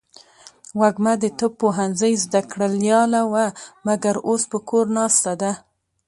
وږمه د طب پوهنځۍ زده کړیاله وه ، مګر اوس په کور ناسته ده.